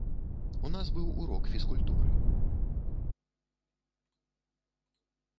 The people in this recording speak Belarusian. У нас быў урок фізкультуры.